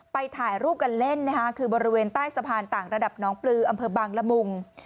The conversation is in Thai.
ถ่ายรูปกันเล่นนะคะคือบริเวณใต้สะพานต่างระดับน้องปลืออำเภอบางละมุง